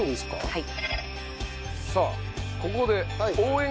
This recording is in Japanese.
はい。